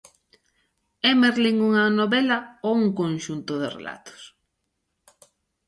É Merlín unha novela ou un conxunto de relatos?